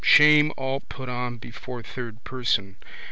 Shame all put on before third person.